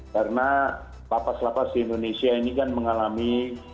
karena lepas lepas di indonesia ini kan mengalami